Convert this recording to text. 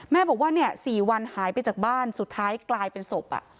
แม่บอกว่า๔วันหายไปจากบ้านสุดท้ายกลายเป็นศพ